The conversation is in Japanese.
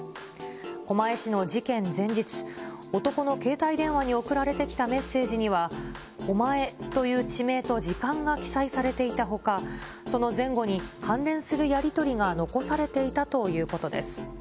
狛江市の事件前日、男の携帯電話に送られてきたメッセージには、狛江という地名と時間が記載されていたほか、その前後に関連するやり取りが残されていたということです。